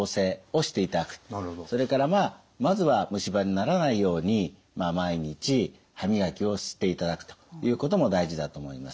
それからまあまずは虫歯にならないように毎日歯磨きをしていただくということも大事だと思います。